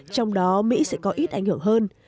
trong đó mỹ sẽ có ít ảnh hưởng hơn